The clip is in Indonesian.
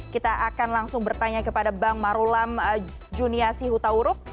kita akan langsung bertanya kepada bang marulam juniasi hutauruk